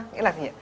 nghĩa là gì ạ